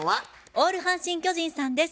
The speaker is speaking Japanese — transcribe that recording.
オール阪神・巨人さんです。